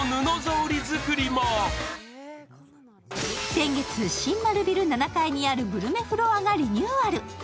先月、新丸ビル７階にあるグルメフロアがリニューアル。